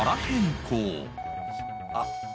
あっ。